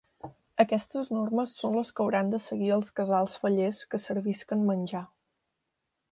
Aquestes normes són les que hauran de seguir els casals fallers que servisquen menjar.